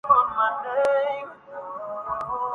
دل آشفتگاں خالِ کنجِ دہن کے